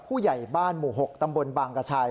ผู้ใหญ่บ้านหมู่๖ตำบลบางกระชัย